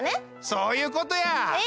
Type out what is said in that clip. そういうことや。え